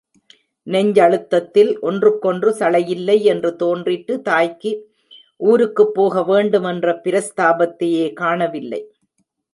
நெஞ்சழுத்தத்தில் ஒன்றுக்கொன்று சளையில்லை என்று தோன்றிற்று தாய்க்கு, ஊருக்குப் போகவேண்டும் என்ற பிரஸ்தாபத்தையே காணவில்லை.